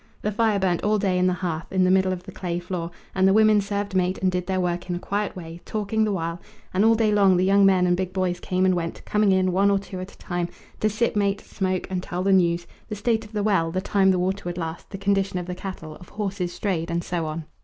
The fire burnt all day in the hearth in the middle of the clay floor, and the women served mate and did their work in a quiet way, talking the while; and all day long the young men and big boys came and went, coming in, one or two at a time, to sip mate, smoke, and tell the news the state of the well, the time the water would last, the condition of the cattle, of horses strayed, and so on.